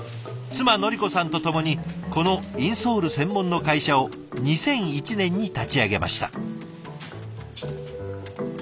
妻のり子さんとともにこのインソール専門の会社を２００１年に立ち上げました。